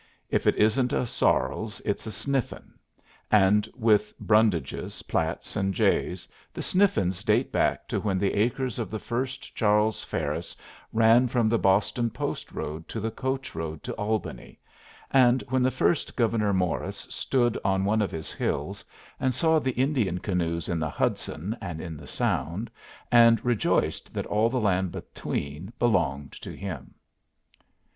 If it isn't a Sarles, it's a Sniffen; and with Brundages, Platts, and Jays, the Sniffens date back to when the acres of the first Charles Ferris ran from the Boston post road to the coach road to Albany, and when the first Gouverneur Morris stood on one of his hills and saw the Indian canoes in the Hudson and in the Sound and rejoiced that all the land between belonged to him.